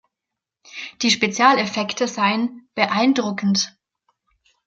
Die Spezialeffekte seien „beeindruckend“.